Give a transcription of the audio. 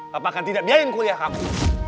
bapak kan tidak biayain kuliah kamu